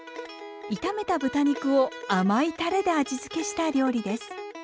炒めた豚肉を甘いタレで味付けした料理です。